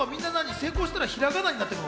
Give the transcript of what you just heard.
成功したら、ひらがなになるの？